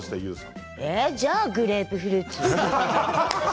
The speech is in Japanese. じゃあグレープフルーツ。